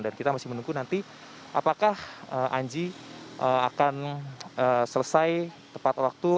dan kita masih menunggu nanti apakah anji akan selesai tepat waktu